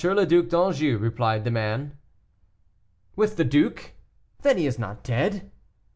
le Duc d'Anjou," replied the man. "With the Duke; then he is not dead?"